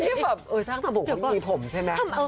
นี่แบบสร้างสมบุคคลมยีผมใช่ไหม